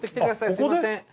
すいません